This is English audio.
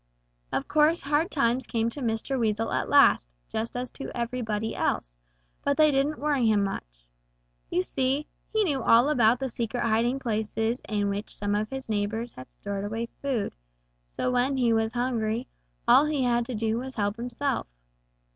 "Of course hard times came to Mr. Weasel at last, just as to everybody else, but they didn't worry him much. You see, he knew all about the secret hiding places in which some of his neighbors had stored away food, so when he was hungry, all he had to do was to help himself.